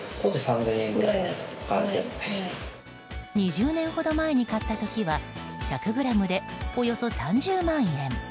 ２０年ほど前に買った時は１００ｇでおよそ３０万円。